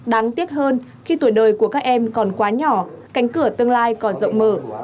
đáng tiếc hơn khi tuổi đời của các em còn quá nhỏ cánh cửa tương lai còn rộng mở